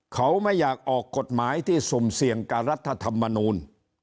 เขาไม่อยากออกกฎหมายที่สุ่มเสี่ยงกับรัฐธรรมนูล